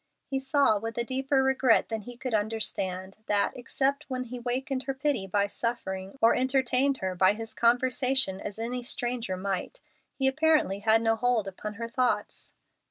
He saw with a deeper regret than he could understand that, except when he awakened her pity by suffering, or entertained her by his conversation as any stranger might, he apparently had no hold upon her thoughts.